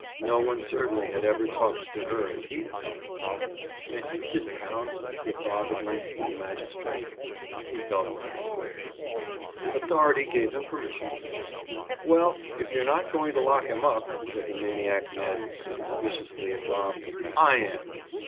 No one certainly had ever talked to her as he had done. "May I sit down?" said Bob at length to the magistrate. He felt rather tired. Authority gave him permission to sit. "Well, if you're not going to lock him up," said that maniac med., looking viciously at Bob, "I am."